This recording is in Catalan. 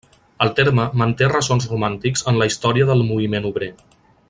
El terme manté ressons romàntics en la història del moviment obrer.